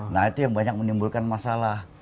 nah itu yang banyak menimbulkan masalah